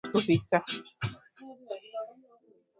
“Sisi ni chama cha Amani, chama cha utawala wa sharia